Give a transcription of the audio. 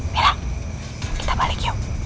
bela kita balik yuk